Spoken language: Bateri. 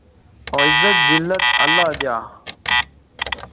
عزت، زلت اللہ دیا